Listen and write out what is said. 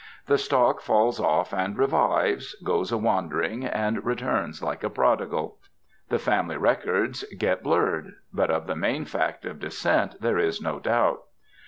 The stock falls off and revives, goes a wandering, and returns like a prodigal. The family records get blurred. But of the main fact of descent there is no doubt.